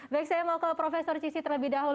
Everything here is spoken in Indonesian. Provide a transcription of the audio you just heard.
baik saya mau ke prof cissi terlebih dahulu